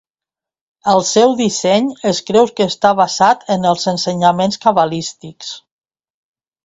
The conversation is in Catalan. El seu disseny es creu que està basat en els ensenyaments cabalístics.